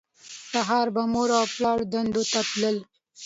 سهار به مور او پلار دندو ته تلل